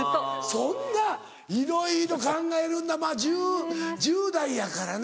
そんないろいろ考えるんだまぁ１０代やからな。